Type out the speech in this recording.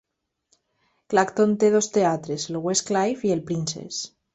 Clacton té dos teatres, el West Cliff i el Princes.